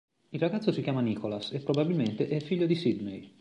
Il ragazzo si chiama Nicholas, e probabilmente è figlio di Sydney.